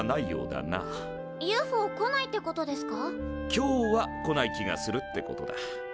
「今日は」来ない気がするってことだ。